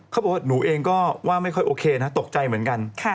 เขาบอกว่าหนูเองก็ว่าไม่ค่อยโอเคนะตกใจเหมือนกัน